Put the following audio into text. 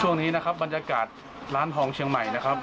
ช่วงนี้นะครับบรรยากาศร้านทองเชียงใหม่นะครับ